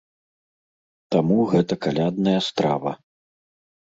Таму гэта калядная страва.